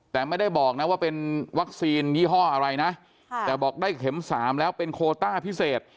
แต่ไม่ได้บอกนะว่าเป็นวัคซีนยี่ห้ออะไรนะแต่บอกได้เข็ม๓แล้วเป็นโคต้าพิเศษ